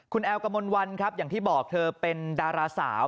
คุณแอลกมลวันครับอย่างที่บอกเธอเป็นดาราสาว